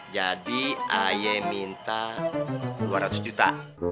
jadi aye minta dua ratus juta